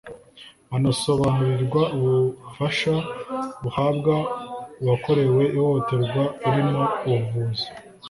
banasobanurirwa ubufasha buhabwa uwakorewe ihohoterwa burimo ubuvuzi